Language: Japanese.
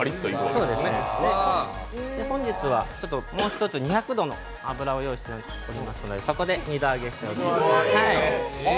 本日はもう一つ、２００度の油を用意してますのでそこで二度揚げします。